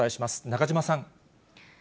中島さん。